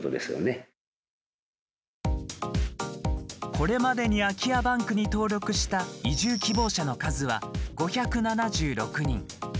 これまでに空き家バンクに登録した移住希望者の数は５７６人。